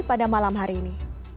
pada malam hari ini